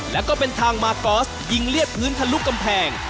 และก็เป็นทางมาร์ทฟอสยิงเลี้ยบพื้นทะลุกกำแพง